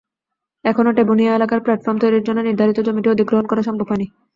এখনো টেবুনিয়া এলাকার প্ল্যাটফর্ম তৈরির জন্য নির্ধারিত জমিটি অধিগ্রহণ করা সম্ভব হয়নি।